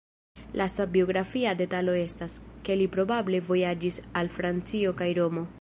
Lasta biografia detalo estas, ke li probable vojaĝis al Francio kaj Romo.